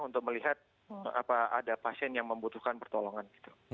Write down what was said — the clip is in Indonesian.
untuk melihat apa ada pasien yang membutuhkan pertolongan